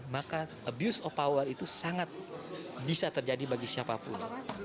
maka abuse of power itu sangat bisa terjadi bagi siapapun